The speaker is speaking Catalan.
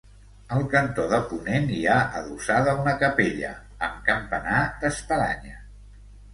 Al cantó de ponent hi ha adossada una capella, amb campanar d'espadanya.